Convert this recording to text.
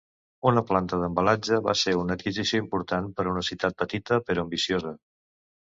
Una planta d'embalatge va ser una adquisició important per a una ciutat petita, però ambiciosa.